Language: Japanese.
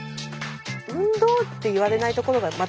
運動っていわれないところがまたいいね。